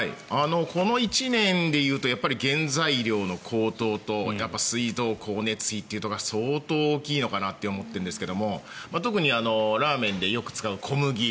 この１年で言うと原材料の高騰と水道・光熱費というところが相当大きいのかなと思っているんですが特にラーメンでよく使う小麦